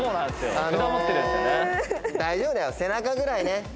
あの大丈夫だよ背中ぐらいね。